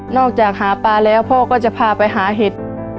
จากหาปลาแล้วพ่อก็จะพาไปหาเห็ด